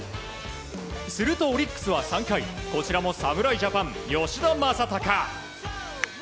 するとオリックスは３回こちらも侍ジャパン、吉田正尚。